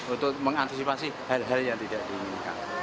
untuk mengantisipasi hal hal yang tidak diinginkan